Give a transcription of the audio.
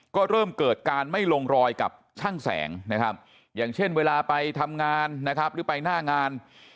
ก็เริ่มเกิดการไม่ลงรอยกับช่างแสงนะครับอย่างเช่นเวลาไปทำงานนะครับหรือไปหน้างาน